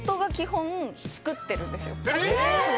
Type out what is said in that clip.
えっ！